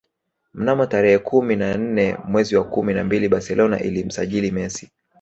Mnamo tarehe kumi na nne mwezi wa kumi na mbili Barcelona ilimsajili Messi